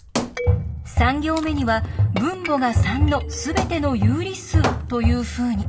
３行目には分母が３のすべての有理数というふうに。